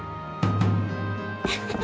フフフ。